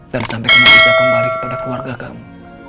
dan sampai kamu bisa kembali kepada keluarga kamu